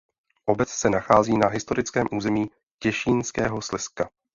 Obec se nachází na historickém území Těšínského Slezska.